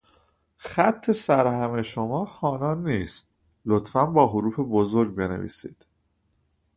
خط سرهم شما خوانا نیست لطفا با حروف بزرگ بنویسید!